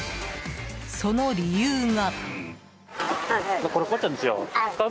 その理由が。